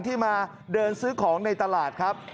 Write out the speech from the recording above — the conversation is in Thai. ที่มาเดินซื้อของในตลาดครับ